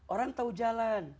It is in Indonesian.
orang tau jalan